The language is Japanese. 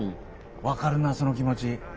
分かるなその気持ち。